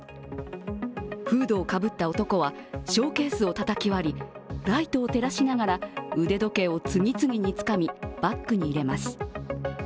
フードをかぶった男はショーケースをたたき割り、ライトを照らしながら腕時計を次々につかみバッグに入れます。